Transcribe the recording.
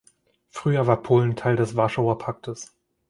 Früher war Polen Teil des Warschauer Paktes.